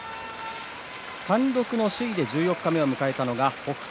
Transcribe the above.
単独の首位で十四日目を迎えたのが北勝